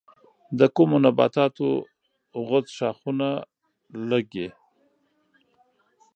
د کومو نباتاتو غوڅ ښاخونه لگي؟